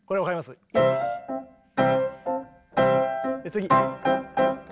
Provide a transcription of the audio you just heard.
次。